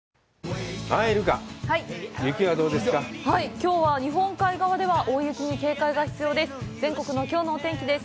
きょうは日本海側では大雪に警戒が必要です。